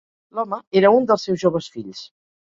L'home era un dels seus joves fills.